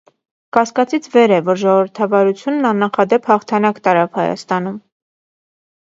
Կասկածից վեր է, որ ժողովրդավարությունն աննախադեպ հաղթանակ տարավ Հայաստանում։